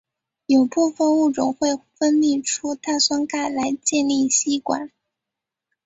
有部分物种会分泌出碳酸钙来建立栖管。